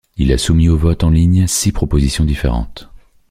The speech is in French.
Il a soumis au vote en ligne six propositions différentes.